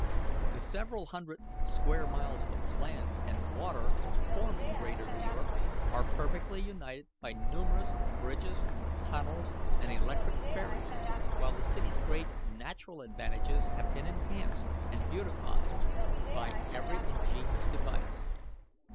The several hundred square miles of land and water forming greater New York are perfectly united by numerous bridges, tunnels, and electric ferries, while the city's great natural advantages have been enhanced and beautified by every ingenious device.